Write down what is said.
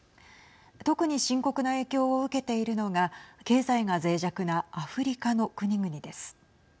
特に深刻な影響を受けているのが経済がぜい弱なアフリカの国々です。